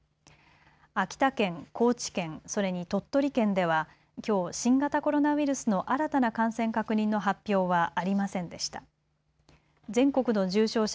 秋田県、高知県、それに鳥取県ではきょう新型コロナウイルスの新たな感染確認の発表はありませんでした。